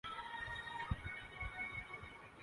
ایک غم ہو تو بات ہے۔